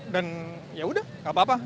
dan yaudah nggak apa apa